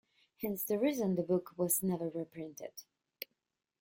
Hence the reason the book was never reprinted.